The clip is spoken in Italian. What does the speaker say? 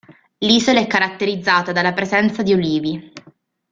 L'isola è caratterizzata dalla presenza di ulivi.